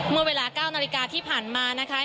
เมื่อเวลา๙นาฬิกาที่ผ่านมานะคะ